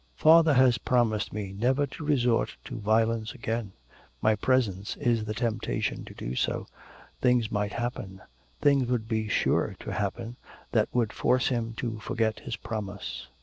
'Father has promised me never to resort to violence again; my presence is the temptation to do so, things might happen things would be sure to happen that would force him to forget his promise.